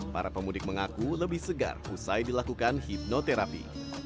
para pemudik mengaku lebih segar usai dilakukan hipnoterapi